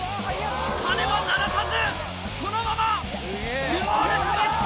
鐘は鳴らさずそのままゴールしました！